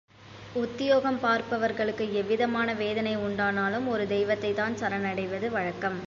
உத்தியோகம் பார்ப்பவர்களுக்கு எந்தவிதமான வேதனை உண்டானாலும் ஒரு தெய்வத்தைத்தான் சரணடைவது வழக்கம்.